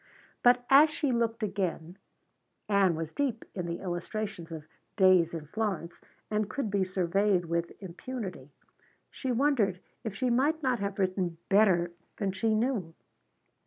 But as she looked again Ann was deep in the illustrations of "Days in Florence" and could be surveyed with impunity she wondered if she might not have written better than she knew.